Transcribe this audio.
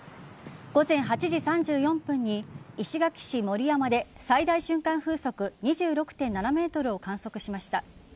午前８時３４分に石垣市盛山で最大瞬間風速２６．７メートルを観測しました。